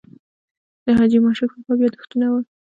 د حاجي ماشک په باب یاداښتونه و.